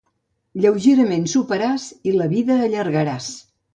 Lleugerament soparàs i la vida allargaràs.